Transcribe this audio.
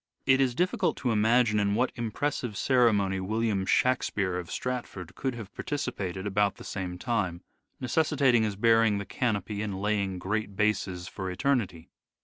It is difficult to imagine in what impressive ceremony William Shakspere of Stratford could have participated about the same time, necessitating his bearing the canopy and laying great bases for eternity.